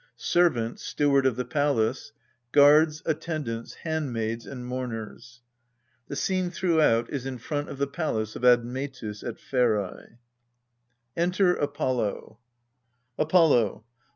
SERVANT, Steward of the Palace. Guards, Attendants, Handmaids, and Mourners. The scene throughout is in front of the palace of Admetus at Pherae. ALCESTIS Enter APOLLO AOLLO.